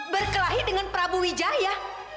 berkelahi dengan prabu wijaya